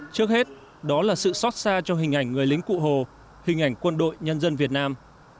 trước hết đó là sự xót xa trong hình ảnh người lính cụ hồ hình ảnh quân đội nhân dân việt nam